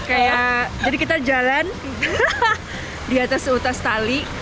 kayak jadi kita jalan di atas seutas tali